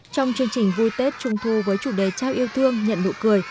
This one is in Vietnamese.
trong chương trình vui tết trung thu với chủ đề trao yêu thương nhận nụ cười